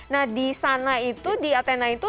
nah di sana itu di athena itu